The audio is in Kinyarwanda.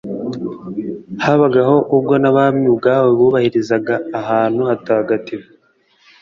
habagaho ubwo n'abami ubwabo bubahirizaga ahantu hatagatifu